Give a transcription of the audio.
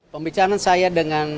pembicaraan saya dengan